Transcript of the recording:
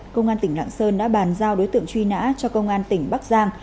công an tỉnh lạng sơn đã bàn giao đối tượng truy nã cho công an tỉnh bắc giang